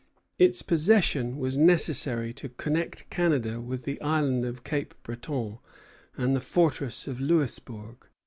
Its possession was necessary to connect Canada with the Island of Cape Breton and the fortress of Louisbourg.